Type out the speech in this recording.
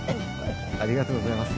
ありがとうございます。